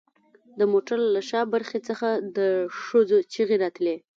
د موټر له شاته برخې څخه د ښځو چیغې راتلې